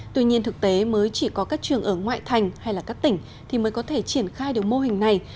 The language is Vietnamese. tuy nhiên thực tế mới chỉ có các trường ở ngoại thành hay là các tỉnh thì mới có thể triển khai được mô hình này